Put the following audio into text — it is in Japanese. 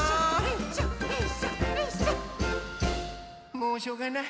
もうしょうがない。